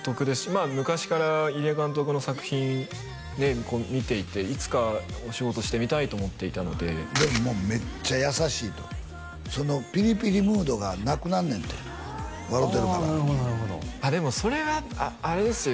あ昔から入江監督の作品でこう見ていていつかお仕事してみたいと思っていたのででももうめっちゃ優しいとそのピリピリムードがなくなるねんて笑てるからああなるほどなるほどあっでもそれはあれですよ